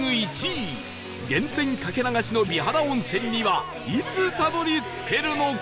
１位源泉掛け流しの美肌温泉にはいつたどり着けるのか？